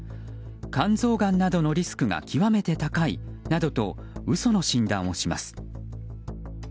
肝臓がんなどのリスクが極めて高いなどと嘘の診断をします。